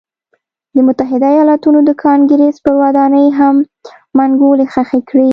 د متحده ایالتونو د کانګرېس پر ودانۍ هم منګولې خښې کړې.